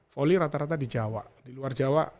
volley rata rata di jawa di luar jawa